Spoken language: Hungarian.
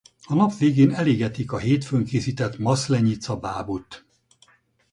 A nap végén elégetik a hétfőn készített maszlenyica-bábut.